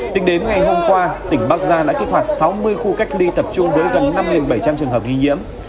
tính đến ngày hôm qua tỉnh bắc giang đã kích hoạt sáu mươi khu cách ly tập trung với gần năm bảy trăm linh trường hợp ghi nhiễm